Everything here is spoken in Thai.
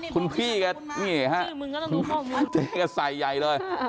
คุณพี่ก็นี่ฮะเจ๊ก็ใส่ใยเลย